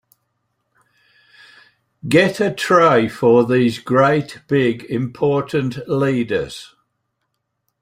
Get a tray for these great big important leaders.